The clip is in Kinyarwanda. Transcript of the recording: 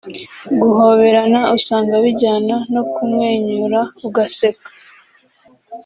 Guhoberana usanga bijyana no kumwenyura ugaseka